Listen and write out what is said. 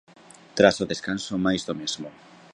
Tras o descanso, máis do mesmo.